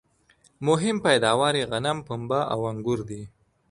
مهم پیداوار یې غنم ، پنبه او انګور دي